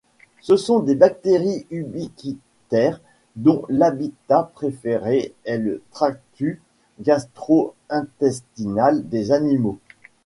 Ce sont des bactéries ubiquitaires dont l'habitat préféré est le tractus gastro-intestinal des animaux.